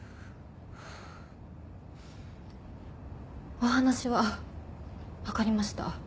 お話は分かりました。